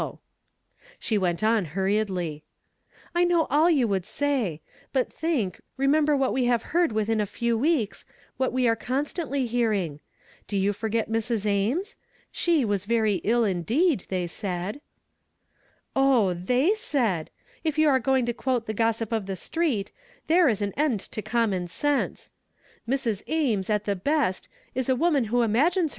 •7 f "WE HAVE HEARD THE FAME OF HIM." 13 She went on hurriedly, "I know all you would say; but think, remem ber what we have heard within a few weeks, what we are eonstontly hearing. Do you foiget M,^. Ames .' She was very ill indeed, they said " "Oh, 'they said'! If you are going to quote the gossip of the street, there is an end to com ."on sense. Ata. Ames, at the best, is a wo„,.an who imagines he.